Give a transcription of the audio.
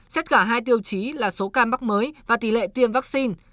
xét cả hai tiêu chí là số cam bắc mới và tỷ lệ tiêm vaccine